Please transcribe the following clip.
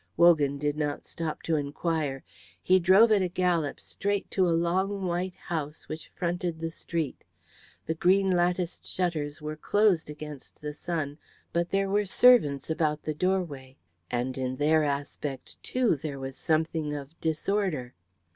Wogan did not stop to inquire. He drove at a gallop straight to a long white house which fronted the street. The green latticed shutters were closed against the sun, but there were servants about the doorway, and in their aspect, too, there was something of disorder.